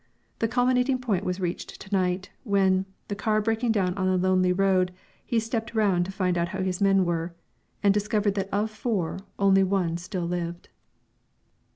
The culminating point was reached to night, when, the car breaking down on a lonely road, he stepped round to find out how his men were, and discovered that of four only one still lived.